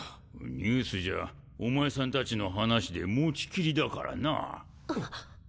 ニュースじゃお前さんたちの話で持ち切りだからな。